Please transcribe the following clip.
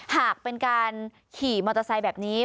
หากเป็นการขี่มอเตอร์ไซค์แบบนี้